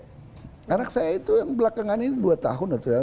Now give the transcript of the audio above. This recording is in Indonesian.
karena saya itu yang belakangan ini dua tahun